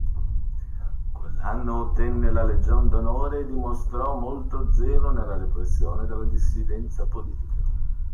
Quell'anno ottenne la legion d'onore e dimostrò molto zelo nella repressione della dissidenza politica.